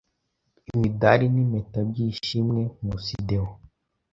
imidari n’impeta by’ishimwe, Nkusi Deo